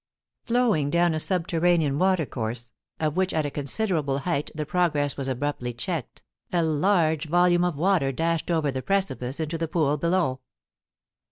Flowing down a subterranean water course, of which at a considerable height the progress was abruptly checked, a large volume of water dashed over the precipice into the pool below.